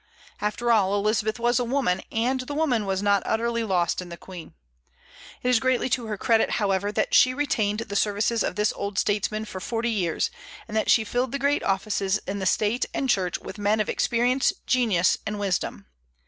After all, Elizabeth was a woman, and the woman was not utterly lost in the Queen. It is greatly to her credit, however, that she retained the services of this old statesman for forty years, and that she filled the great offices in the State and Church with men of experience, genius, and wisdom.